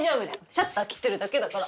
シャッター切ってるだけだから。